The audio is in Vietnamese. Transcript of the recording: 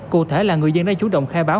cụ thể là người dân đã chủ động khai báo